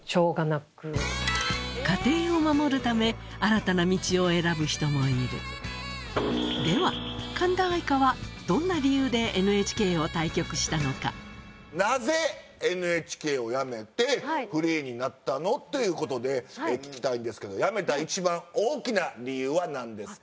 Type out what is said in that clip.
家庭を守るため新たな道を選ぶ人もいるでは神田愛花はどんな理由でＮＨＫを退局したのかなぜＮＨＫを辞めてフリーになったの？ということで聞きたいんですけど。